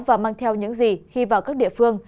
và mang theo những gì khi vào các địa phương